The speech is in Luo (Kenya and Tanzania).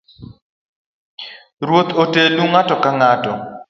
Ruoth otelnu ng’ato kang’ato